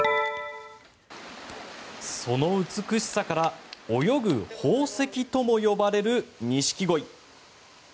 その美しさから泳ぐ宝石とも呼ばれるニシキゴイ。